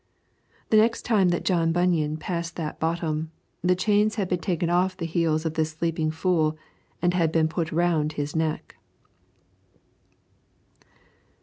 The next time that John Bunyan passed that bottom, the chains had been taken off the heels of this sleeping fool and had been put round his neck.